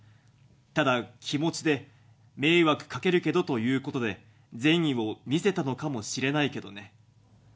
ただ、気持ちで、迷惑かけるけどということで、善意を見せたのかもしれないけどね。